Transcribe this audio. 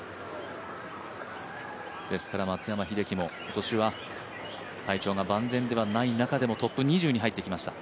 松山英樹も今年は体調が万全ではない中でもトップ２０に入ってきました。